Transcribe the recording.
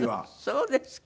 そうですか。